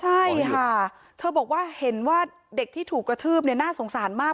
ใช่ค่ะเธอบอกว่าเห็นว่าเด็กที่ถูกกระทืบเนี่ยน่าสงสารมาก